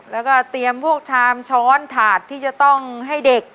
แล้วก็เตรียมพวกชามช้อนถาดที่จะต้องให้เด็ก